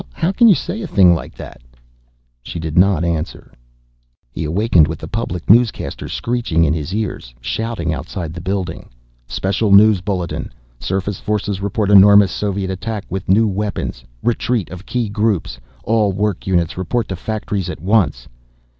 How can you say a thing like that?" She did not answer. He awakened with the public newscaster screeching in his ears, shouting outside the building. "Special news bulletin! Surface forces report enormous Soviet attack with new weapons! Retreat of key groups! All work units report to factories at once!"